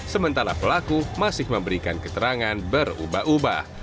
sementara pelaku masih memberikan keterangan berubah ubah